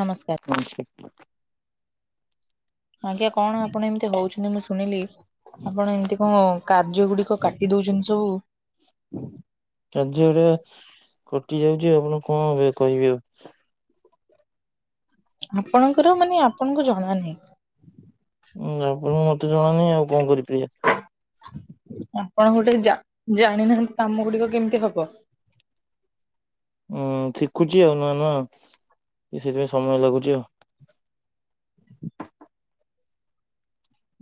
ନମସ୍କାର। [inaudible] ଆଜ୍ଞା କଣ ଆପଣ ଏମିତି ହଉଛନ୍ତି ମୁଁ ଶୁଣିଲି ଆପଣ ଏମିତି କଣ କାର୍ଯ୍ୟ ଗୁଡି ତ କାଟି ଦଉଛନ୍ତି ସବୁ। କାଯ୍ୟ ଗୁରା କଟି ଯାଉଛି ଆପଣ କଣ ଏବେ କହିବେ ଆଉ। ଆପଣଙ୍କର ମାନେ ଆପଣଙ୍କୁ ଜଣା ନାହିଁ। ଉଁ ଆପଣ ମତେ ଜଣାନି ଆଉ କଣ କରି ପାରିବା। ଆପଣ ଗୋଟେ ଜା ଜାଣିନାହାନ୍ତି କାମ ଗୁଡିକ କେମିତି ହବ। ଉଁ ଶିଖୁଛି ଆଉ ନୂଆ ନୂଆ ସେଥିପାଇଁ ସମୟ ଲାଗୁଛି ଆଉ।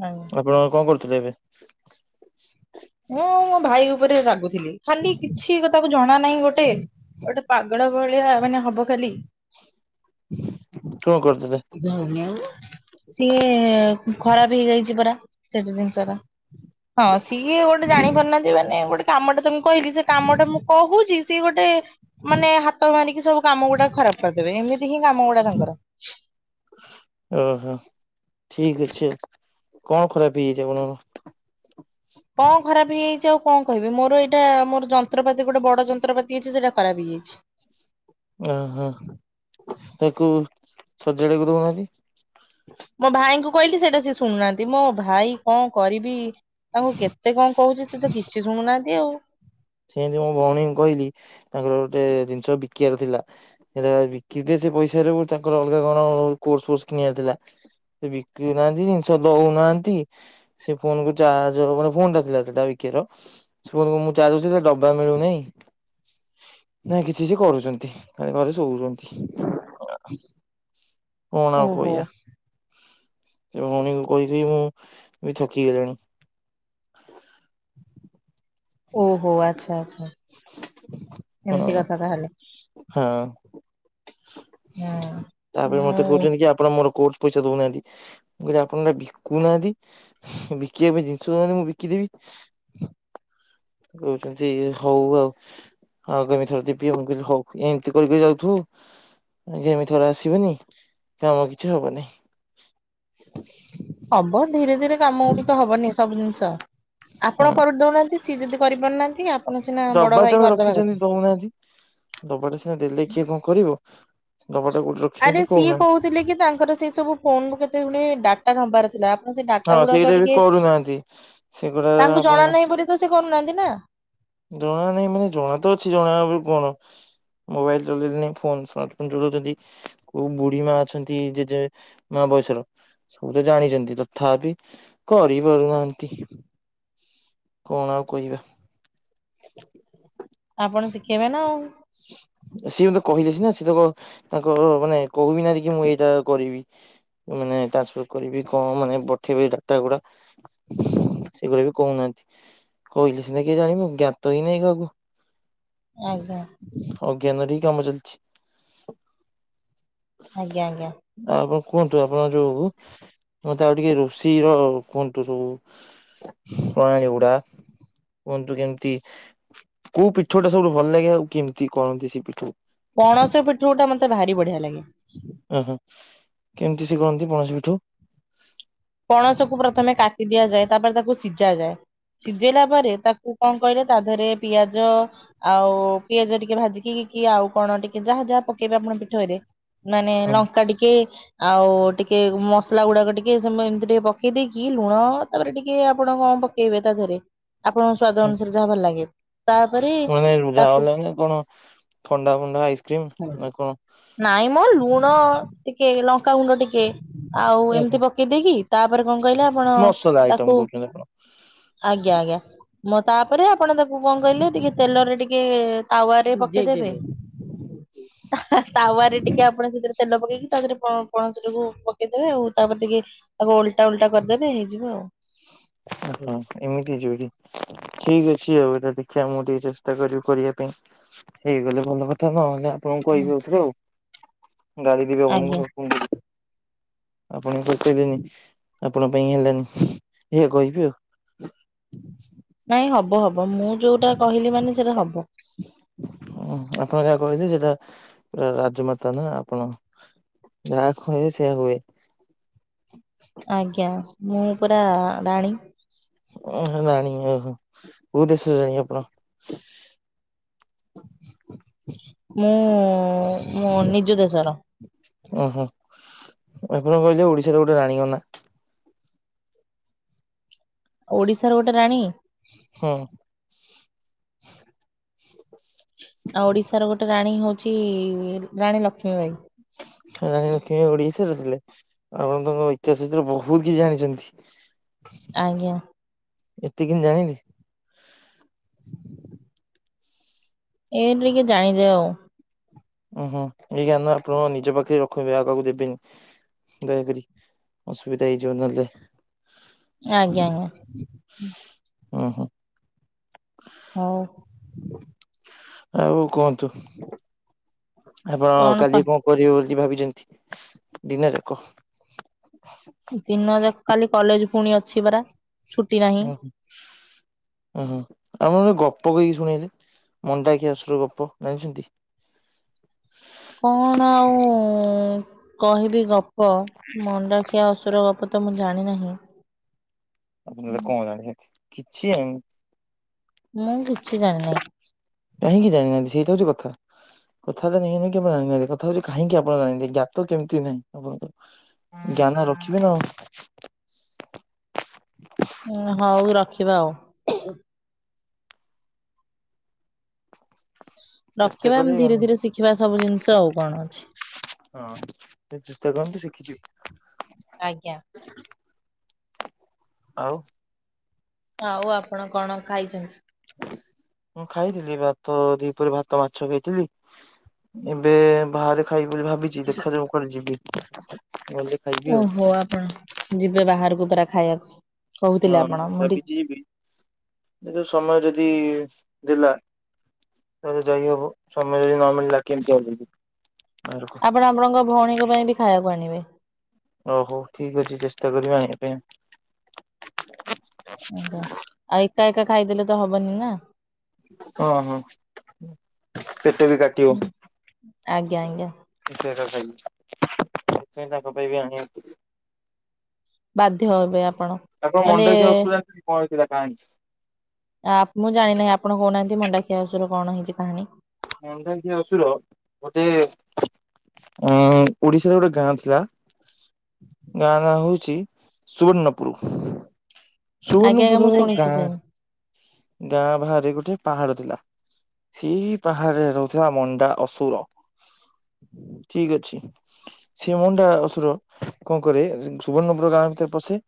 ଟାଇମ। ଆପଣ କଣ କରୁଥିଲେ ଏବେ। ମୁଁ ମୋ ଭାଇ ଉପରେ ରାଗୁଥିଲି ଖାଲି କିଛି କଥାକୁ ଜଣା ନାହିଁ ଗୋଟେ ଗୋଟେ ପାଗଳା। ଦୁଳିଆ ମାନେ ହବ ଖାଲି। କଣ କରୁଥିଲେ? ସିଏ ଖରାପ ହେଇଯାଇଛି ପରା ସେଠି ଜିନିଷ ଟା। ହଁ ସିଏ ଗୋଟେ ଜାଣିପାରୁନାହାନ୍ତି ମାନେ ଗୋଟେ କାମଟା ତାଙ୍କୁ କହିଲି ସେ କାମଟା ମୁଁ କହୁଛି। ସିଏ ଗୋଟେ ମାନେ ହାତ ମାରିକି ସବୁ କାମ ଗୁଡା ଖରାପ କରିଦେବେ ଏମିତି ହିଁ କାମ ଗୁଡା ତାଙ୍କର। ଓହୋ ଠିକ ଅଛି କଣ ଖରାପ ହେଇଯାଇଛି ଆପଣଙ୍କ? କଣ ଖରାପ ହେଇଯାଇଛି ଆଉ କଣ କହିବି ମୋର ଏଇଟା ମୋର ଯନ୍ତ୍ରପାତି ଗୋଟେ ବଡ ଯନ୍ତ୍ରପାତି ଅଛି ସେଇଟା ଖରାପ ହେଇଯାଇଛି। ଓହୋ ତାକୁ ସଜାଡିବାକୁ ଦଉନାହାଁନ୍ତି। ମୋ ଭାଇଙ୍କୁ କହିଲି ସେଇଟା ସେ ଶୁଣୁନାହାନ୍ତି ମୋ ଭାଇ କଣ କରିବି। ତାଙ୍କୁ କେତେ କଣ କହୁଛି ସେ ତ କିଛି ଶୁଣୁନାହାନ୍ତି ଆଉ। ସେମତି ମୋ ଭଉଣୀଙ୍କୁ କହିଲି ତାଙ୍କର ଗୋଟେ ଜିନିଷ ବିକିବାର ଥିଲା। ସେଇଟା ବିକି ଦିଏ ସେ ପଇସା ରୁ ତାଙ୍କର ଅଲଗା କଣ କୋର୍ସ ଫୋର୍ସ କିଣିବାର ଥିଲା। ସେ ବିକ୍ରି ନାହାନ୍ତି ଜିନିଷ ଦଉନାହାନ୍ତି। ସେ ଫୋନ୍ କୁ ଚାର୍ଜ ହବା ଫୋନ ଟା ଥିଲା ବିକି ଭାଇ ର ସେ [unintelligible] ଚାର୍ଜ। ସେ ଡବା ମିଳୁନେଇଁ। ନାଇଁ କିଛି ସେ କରୁଛନ୍ତି ଖାଲି ଘରେ ଶୋଉଛନ୍ତି। କଣ ଆଉ ଓହୋ କହିଆ। ତ ଭଉଣୀକୁ କହି କକି ମୁଁ ବି ଥକିଗଲିଣି। ଓହୋ ଆଚ୍ଛା ଆଚ୍ଛା ଏମିତି କଥା ତାହେଲେ। ହ। ହୁଁ ତାପରେ ମୁଁ ମତେ କହୁଛନ୍ତି କି ଆପଣ ମୋର କୋର୍ସ ପଇସା ଦଉନାହାନ୍ତି। ମୁଁ କହିଲି ଆପଣ ଟା ବିକୁନାହାନ୍ତି ବିକିବା ପାଇଁ ଜିନିଷଉହାନ୍ତି ମୁଁ ବିକିଦେବି। କହୁ ଛନ୍ତି ହଉ ଆଉ। ଆଉ କେମି ଥରେ ଜିବି ଆଉ ହଉ ଏମିତି କରି କରି ଯାଉଥୁବୁ। ଆଜ ଏମିତି ଥର ଆସିବନି କାମ କିଛି ହବନହିଁ। ହବ ଧୀରେ ଧୀରେ କାମ ଗୁଡିକ ହବନି ସବୁ ଜିନିଷ ଆପଣ ହଁ କରି ଦଉନାହାନ୍ତି। ସିଏ ଯଦି କରିପାରୁନାହାନ୍ତି ଆପ ଡବାଟେ ପା ରଖିଛନ୍ତି ଦଉନାହାନ୍ତି। ଡ଼ବାଟା ସିନା ଦେଲେ କିଏ କଣ କରିବ ଡ଼ବାଟା କଉଠି ର ଆରେ ସିଏ କହୁଥିଲେ କି ତାଙ୍କର ସେଇ ସବୁ ଫୋନରୁ କେତେ ଗୁଡ଼େ ଡା ଟା ନବାରଥିଲା ଆପଣ ସେ ହଁ ଡାଟା ଗୁଡାକ ସେଇଟା ବି ଟିକେ କରୁନାହାନ୍ତି ସେଗୁଡା ତାଙ୍କୁ ଆପଣ ଜଣା ନାହିଁ ବୋଲି ତ ସେ କରୁନାହାନ୍ତି ନା। ଜଣା ନାଇଁ ମାନେ ଜଣା ତ ଅଛି ଜଣା ଆଉ କଣ। ମୋବାଇଲ ଚଳେଇଲେ ନା ଫୋନ ଫୋ ଚଉଛନ୍ତି କୋଉ ବୁଢୀ ମା ଅଛନ୍ତି ଜେଜେ ମା ବୟସର ସବୁ ତ ଜାଣିଛନ୍ତି ତ ତଥାପି କରିପାରୁନାହାନ୍ତି କଣ ଆଉ କହିବା। [unintelligible] ଆପଣ ଶିଖେଇବେ ନା ଆଉ। ସିଏତ କହିଲେ ସି ନା ସିଏ ତ ତାଙ୍କ ମାନେ କହିବି ନାନ୍ତି କି ମୁଁ ଏଇଟା କରିବି। ମାନେ ଟ୍ରାନ୍ସଫର କରିବି କଣ ମାନେ ପଠେଇବି ଡାଟା ଗୁଡା ସେଭଳି ବି କହୁନାହାନ୍ତି କହିଲେ ସିନା କିଏ ଜାଣିବ ଜ୍ଞାତ ହେଇନାହିଁ କାହାକୁ। ଆଜ୍ଞା। ଅଜ୍ଞାନରେହିଁ କାମ ଚାଲିଛି। ଆଜ୍ଞା ଆଜ୍ଞା। ଆଉ କଣ କୁହନ୍ତୁ ଆପଣଙ୍କ ଯଉ ମତେ ଆଉ ଟିକେ ରୋଷେଇ ର କୁହନ୍ତୁ ସବୁ। ପ୍ରଣାଳୀଗୁଡା କୁହନ୍ତୁ କେମିତି କୋଉ ପିଠଉ ଟା ସବୁଠୁ ଭଲ ଲାଗେ ଆଉ କେମିତି କରନ୍ତି ସେ ପିଠକୁ। ପଣସ ପିଠଉ ଟା ମତେ ଭାରି ବଢିଆ ଲାଗେ। ଓ ହୋ କେମିତି ସେ କରନ୍ତି ପଣସ ପିଠଉ? ପଣସକୁ ପ୍ରଥମେ କାଟି ଦିଆଯାଏ ତାପରେ ତାକୁ ସିଝା ଯାଏ ସିଝେଇଲା ପରେ ତାକୁ କଣ କହିଲେ ତା ଦେହରେ ପିଆଜ ଆଉ ପିଆଜ ଟିକେ ଭାଜି କି ଆଉ କଣ ଟିକେ ଯାହା ଯାହା ପକେଇବେ ଆପଣ ପିଠଉରେ। ମାନେ ଲଙ୍କା ଟିକେ ଆଉ ଟିକେ ମସଲା ଗୁଡାକ ଟିକେ ଏମିତି ଟିକେ ପକେଇ ଦେଇେକି ଲୁଣ ତାପରେ ଟିକେ ଆପଣ କଣ ପକେଇବେ ତା ଦେହରେ। ଆପଣଙ୍କ ସ୍ଵାଦ ଅନୁସାରେ ଯାହା ଭଲ ଲାଗେ ତାପରେ ମାନେ ତାକୁ ଝାଉଁଲା ନା କଣ ଥଣ୍ଡା ଫୁଣ୍ଡା ଆଇସ୍କ୍ରିମ୍ ନା କଣ? ନାଇଁ ମୋ ଲୁଣ ଟିକେ ଲଙ୍କାଗୁଣ୍ଡ ଟିକେ ଆଉ ଏମିତି ପକେଇ ଦେଇକି ତାପରେ କଣ କହିଲେ ଆପଣ ମସଲା ଆଇଟମ ତାକୁ କହୁଛନ୍ତି ଆପଣ ଆଜ୍ଞା ଆଜ୍ଞା ମଁ ତାପରେ ଆପଣ ତାକୁ କଣ କହିଲେ ଟିକେ ତେଲରେ ଟିକେ କେ ତାୱରେ ପ [unintelligible] ତାୱରେ ଟିକେ ଆପଣ ସେଥିରେ ତେଲ ପକେଇକି ତାଦେହ ରେ କଣ ସେଟାକୁ ପକେଇଦେବେ ଆଉ ତାପରେ ଟିକେ ତାକୁ ଓଲଟା ଉଲଟା କରିଦେବେ ହେଇଯିବ ଆଉ। ଆଉ କଣ ଏମିତି ଯିବ କି ଠିକ ଅଛି ଆଉ ଏଟା ଦେଖିବା ମୁଁ ଟିକେ ଚେଷ୍ଟା କରିବି କରିବା ପାଇଁ। ହେଇଗଲେ ଭଲ କଥା ନହେଲେ ଆପଣଙ୍କୁ କହିବି [inaudible] ଆଉ। ଗାଡି [unintelligible] ଆଜ୍ଞା ଲୋକଙ୍କୁ। ଆପଣ କଚେଇଲେନି ଆପଣ ପାଇଁ ହେଲାନି ଏଇଆ କହିବି ଆଉ।। ନାଇଁ ହବ ହବ ମୁଁ ଯୋଉଟା କହିଲି ମାନେ ସେଇଟା ହବ। ହଁ ଆପଣ ଯାହା କହିଲେ ସେଟା ପୁରା ରାଜମାତା ନା ଆପଣ। ଯାହା କୁହେ ସେୟା ହୁଏ। ଆଜ୍ଞା ମୁଁ ପୁରା ରାଣୀ। ଓ ରାଣୀ ଓହୋ କୋଉ ଦେଶର ରାଣୀ ଆପଣ? [unintelligible] ମୁଁ ମୋ ନିଜ ଦେଶର। ଓହୋ ଆପଣ କହିଲେ ଓଡ଼ିଶାରେ ଗୋଟେ ରାଣୀଙ୍କ ନା। ଓଡିଶାର ଗୋଟେ ରାଣୀ। ହଁ। ଆଉ ଓଡିଶାର ଗୋଟେ ରାଣୀ ହଉଛି ରାଣୀ ଲକ୍ଷ୍ମୀ ବାଇ। ରାଣୀ ଲକ୍ଷ୍ମୀ ଓଡିଶାର ଥିଲେ। ଆପଣତ ଙ୍କ ଇତିହାସ ଭିତରେ ବହୁତ କିଛି ଜାଣିଛନ୍ତି। ଆଜ୍ଞା। ଏତେ କେମିତି ଜାଣିଲେ? ଏଇ ଟିକେ ଜାଣିଲି ଆଉ। ଉୁଁ ହୁଁ ଏଇ ଜ୍ଞାନ ଆପଣ ନିଜ ପାଖରେ ରଖିବେ ଆଉ କାହାକୁ ଦେବେନି। ଦୟାକରି ଅସୁବିଧା ହେଇଯିବ ନଲେ। ଆଜ୍ଞା ଆଜ୍ଞା। ଉଁ ହୁଁ। ହୋଉ। ଆଉ କୁହନ୍ତୁ, ଆପଣ କାଲି କଣ କରିବ ବୋଲି ଭାବିଚନ୍ତି, ଦିନା ଲୋକ। ଦିନଜାକ କାଲି କଲେଜ୍ ପୁଣି ଅଛି ପରା। ଛୁଟି ଓହୋ। [inaudible] ଅଁ ହଁ ଆପଣ ଗୋଟେ ଗପ କହିକି ଶୁଣେଇଲେ, ମଣ୍ଡାଖିଆ ଆସୁର ଗପ ଜାଣିଚନ୍ତି? କଣ ଆଉ କହିବି ଗ ପ ମଣ୍ଡାଖିଆ ଅସୁର ଗପତ ମୁଁ ଜାଣି ନାହିଁ। ଆପଣ ତାହେନେ କଣ ଜାଣିଚନ୍ତି, କିଛି ଜାଣି ମୁଁ କିଛି ଜାଣିିନେଇ। କାହିଁକି ଯାଣିନାହାନ୍ତି ସେଇତ ହଉଚି କଥା? କଥାଟା ନୁହେଁକି ଜାଣିନାହାନ୍ତି, କଥାହଉଚି କାହିଁକି ଆପଣ ଜାଣିନାହାନ୍ତି ଜ୍ଞାତ କେମିତି ନାହିଁ ଆପଣଙ୍କୁ। ଜ୍ଞାନ ରଖିବେନା ଆଉ। ଉଁ ହଉ ରଖିବା ଆଉ। ଚେଷ୍ଟା ରଖିବା ଏମି କରିବେ ଜ୍ଞାନ ଧୀରେ ଧୀରେ ଶିଖିବା ସବୁ ଜିନିଷ ଆଉ କଣ ଅଛି। ହଁ [unintelligible] ସିକିଚୁ। ଆଜ୍ଞା। ଆଉ। ଆଉ ଆପଣ କଣ ଖାଇଚନ୍ତି। ମୁଁ ଖାଇଥିଲି ଭାତ ଦିପରେ ଭାତ ମାଛ ଖାଇଥିଲି। ଏବେ ବାହାରେ ଖାଇବି ବୋଲି ଭାବିଚି ଦେଖାଯାଉ କୁଆଡ଼େ ଯିବି ନହେଲେ ଓହୋ ଆପଣ ଯିବେ ବାହାରକୁ ପରା ଖାଇବାକୁ। ହଁ କହୁଥିଲେ ଆପଣ ମୁଁ ଟି ଯଦି ଯିବି କିନ୍ତୁ ସମୟ ଯଦି ଦେଲା ତାଲେ ଯାଇ ହବ ସମୟ ଯଦି ନମିଳିଲା କେମିତି ହବକି ବାହାରକୁ। ପୁଣି ଆପଣଙ୍କ ଭଉଣୀଙ୍କ ପାଇଁବି ଖାଇବାକୁ ଆଣିବେ। ଓହୋ ଠିକ୍ ଅଛି ଚେଷ୍ଟା କରିବା ଆଣିବା ପାଇଁ। ଆଚ୍ଛା ଆ ଏକା ଏକା ଖାଇଦେଲେତ ହବନିନା। ଅଁହଁ ପେଟବି କାଟିବ। ଆଜ୍ଞା ଆଜ୍ଞା। ମୁସେରା ଖାଇବି ସେଇଥିପାଇଁ ତାଙ୍କପାଇଁବି ଆଣିବାକୁ ପଡ଼ିବ। ବାଧ୍ୟ ହେବେ ଆପଣ ନହେଲେ ମଣ୍ଡାଖିଆ ଅସୁର ଜାଣିଛନ୍ତି କଣ ହେଇଥିଲା ଖାଇ ଆ ମୁଁ ଜାଣିନାହିଁ, ଆପଣ କହୁନାହାନ୍ତି ମଣ୍ଡାଖିଆ ଅସୁର କଣ ହେଇଚି କାହାଣୀ। ମାଣ୍ଡଖିଆ ଅସୁର ଗୋଟେ ଉଁ ଓଡିଶାରେ ଗୋଟେ ଗାଁ ଥିଲା। ଗାଁ ନାଁହଉଚି ସୁବର୍ଣ୍ଣପୁର। ଆଜ୍ଞା ଆଜ୍ଞା ସୁବର୍ଣ୍ଣପୁର ମୁଁ ଶୁଣିଛି ସେ ଗାଁ ଗାଁ ବାହାରେ ଗୋଟେ ପାହାଡ଼ ଥିଲା, ସେଇ ପାହାଡ଼ରେ ରହୁଥିଲା ମଣ୍ଡା ଅସୁର ଠିକ୍ ଅଛି ସେମଣ୍ଡା ଅସୁର କଣ କରେ, ସୁବର୍ଣ୍ଣପୁର ଗାଁ ଭିତରେ ପଶେ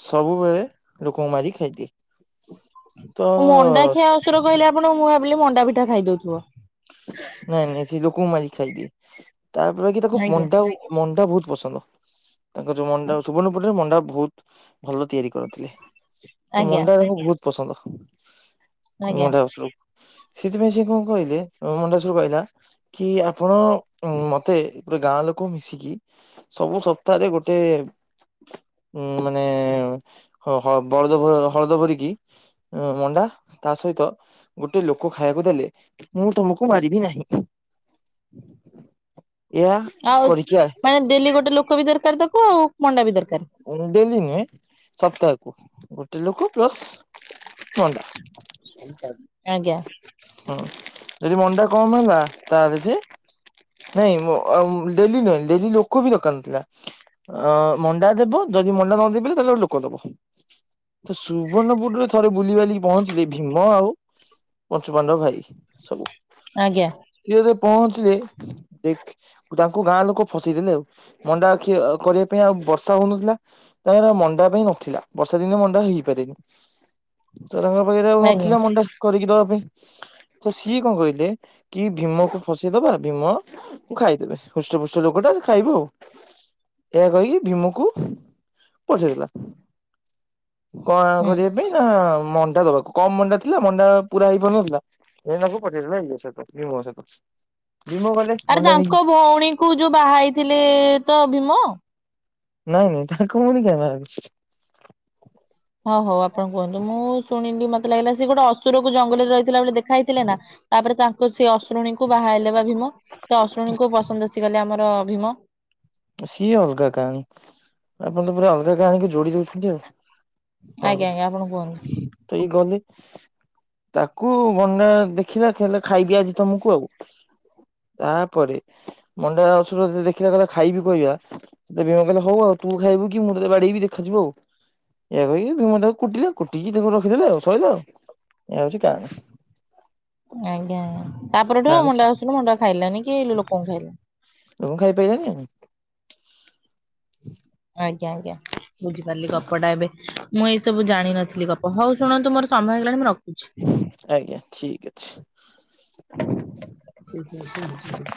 ସବୁବେଳେ ଲୋକଙ୍କୁ ମାରି ଖାଇଦିଏ। ତ ଓ ମଣ୍ଡା ଖିଆ ଅସୁର କହିଲେ ଆପଣ, ମୁଁ ଭାବିଲି ମଣ୍ଡା ପିଠା ଖାଇଦଉଥିବ। ନାଇଁ ନାଇଁ ସେଲୋକଙ୍କୁ ମାରିକି ଖାଇଦିଏ ତାପରେକି ତାକୁ ଆଜ୍ଞା। ମଣ୍ଡା ବୋ ମଣ୍ଡା ବହୁତ୍ ପସନ୍ଦ। ତାଙ୍କର ଯୋଉ ମଣ୍ଡା ସୁବର୍ଣ୍ଣପୁରରେ ମଣ୍ଡା ବହୁତ୍ ଭଲ ତିଆରି କରିଥିଲେ। ତ ଆଜ୍ଞା ମଣ୍ଡା ତାକୁ ବହୁତ୍ ପସନ୍ଦ ଆଜ୍ଞା ମଣ୍ଡା ଅସୁରକୁ। ସେଥିପାଇଁ ସେ କଣ କହିଲେ ମଣ୍ଡାଶୁରୁ କହିଲା କି ଆପଣ ମତେ ଗୋଟେ ଗାଁ ଲୋକ ମିଶିକି ସବୁ ସପ୍ତାହରେ ଗୋଟେ [unintelligible] ଅ ମଣ୍ଡା ତା ସହିତ ଗୋଟେ ଲୋକ ଖାଇବାକୁ ଦେଲେ ମୁଁ ତମକୁ ମାରିବି ନାହିଁ। ଏହା ଆଉ କରିକି ଆ ମାନେ ଡେଲି ଗୋଟେ ଲୋକ ବି ଦରକାର ତାକୁ ଆଉ ମଣ୍ଡା ବି ଦରକାର। ଡେଲି ନୁହେଁ, ସପ୍ତାହକୁ ଗୋଟେ ଲୋକ ପ୍ଲସ ମଣ୍ଡା। ଆଜ୍ଞା। ହୁଁ, ଯଦି ମଣ୍ଡା କମ ହେଲା, ତାହେଲେ ସିଏ ନାଇଁ ଡେଲି ନୁହେଁ ଡେଲି ଲୋକ ବି ଦରକାର ନଥିଲା। ମଣ୍ଡା ଦେବ ଯଦି ମଣ୍ଡା ନ ଦେଇପାରିଲ, ତାହେଲେ ଗୋଟେ ଲୋକ ଦବ। ସୁବର୍ଣପୁୁରରେ ଥରେ ବୁଲି ବାଲି ପହଞ୍ଚିଲେ ଭୀମ ଆଉ ପଞ୍ଚୁପାଣ୍ଡବ ଭାଇ ସବୁ। ଆଜ୍ଞା। ସିଏ ଯେତେବେଳେ ପହଞ୍ଚିଲେ ତାଙ୍କୁ ଗାଁ ଲୋକ ଫସେଇ ଦେଲେ ଆଉ। ମଣ୍ଡା ଖି ଆଉ କରିବା ପାଇଁ ଆଉ ବର୍ଷ ବର୍ଷା ହଉନଥିଲା ତାଙ୍କ ମଣ୍ଡା ପାଇଁ ନଥିଲା। ବର୍ଷା ଦିନେ ମଣ୍ଡା ହେଇପାରେନି। ତ ତାଙ୍ଗ ପାଖରେ ଆଉ ଆଜ୍ଞା ନଥିଲା ମଣ୍ଡା କରିକି ଦବା ପାଇଁ। ତ ସିଏ କଣ କହିଲେ କି ଭୀମକୁ ଫସେଇଦବା ଭୀମ କୁ ଖାଇଦେବେ। ହୃଷ୍ଟପୃଷ୍ଟ ଲୋକଟା ଖାଇବ ଆଉ। ଏହା କହିକି ଭୀମ କୁ ପଠେଇ ଦେଲା। କଣ ହୁଁ। କରିବା ପାଇଁ ନା ମଣ୍ଡା ଦବାକୁ। କମ୍ ମଣ୍ଡା ଥିଲା ମଣ୍ଡା ପୁରା ହେଇ ପାରୁନଥିଲା। [unintelligible] ପଠେଇ ଦେଲେ। [unintelligible] ଭୀମ ଗଲେ। ଆରେ ତାଙ୍କ ଭଉଣୀ କୁ ଯୋଉ ବାହା ହେଇଥିଲେ ତ ଭୀମ? ନାଇଁ ନାଇଁ। ତାଙ୍କ ଭଉଣୀ ଙ୍କୁ କାଇଁ ବାହା ହେବେ? ହଉ ହଉ ଆପଣ କୁହନ୍ତୁ, ମୁଁ ଶୁଣିଲି ମତେ ଲାଗିଲା ସେ ଗୋଟେ ଅସୁରରକୁ ଜଙ୍ଗଲରେ ରହିଥିଲା ବେଳେ ଦେଖା ହେଇଥିଲେ ନା। ତାପରେ ତାଙ୍କର ସେ ଅସୁ ରୁଣୀଙ୍କୁ ବାହା ହେଲେ ବା ଭୀମ। ସେ ଅସୁରୁଣୀ ଙ୍କୁ ପସନ୍ଦ ଆସିଗଲେ ଆମର ଭୀମ। ସିଏ ଅଲଗା କାହାଣୀ। ଆପଣ ତ ପୁରା ଅଲଗା କାହାଣୀ ଯୋଡ଼ି ଦଉଛନ୍ତି ଆଉ। ହଉ। ଆଜ୍ଞା ଆଜ୍ଞା ଆପଣ କୁହନ୍ତୁ ତ ଏଇ ଗଲେ। ତାକୁ କଣନା ଦେଖିଲା କହିଲା ଖାଇବି ଆଜି ତମକୁ ଆଉ। ତାପରେ ମଣ୍ଡା ଅସୁର ଦେଖିଲା କହିଲା ଖାଇବି କହିବା ସେତେଳେ ଭୀମ କହିଲେ ହଉ ଆଉ ତୁ ଖାଇବୁ କି ମୁଁ ତତେ ବାଡେଇବି ଦେଖାଯିବ ଆଉ। ଏୟା କହିିକି ଭୀମ ତାକୁ କୁଟିଲେ। କୁଟିକି ତାଙ୍କୁ ରଖିଦଲେ ଆଉ ସଇଲା ଆଉ। ଏହା ହଉଛି କାହାଣୀ। ଆଜ୍ଞା, ତାପରଠୁ ଆଉ କାହାଣୀ ମଣ୍ଡା ଅସୁର ମଣ୍ଡା ଖାଇଲାନି କି ଲୋକଙ୍କୁ ଖାଇଲାନି। ଲୋକଙ୍କୁ ଖାଇ ପାଇଲାନି ଆଉ କଣ। ଆଜ୍ଞା ଆଜ୍ଞା, ବୁଝିପାରିଲି ଗପଟା ଏବେ। ମୁଁ ଏଇ ସବୁ ଜାଣିନଥିଲି ଗପ ହଉ ଶୁଣନ୍ତୁ ମୋର ସମୟ ହେଗଲାଣି ମୁଁ ରଖୁଛି। ଆଜ୍ଞା, ଠିକ୍ ଅଛି। [inaudible]